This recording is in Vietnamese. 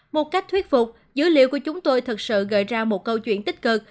một cách thuyết phục dữ liệu của chúng tôi thật sự gợi ra một câu chuyện tích cực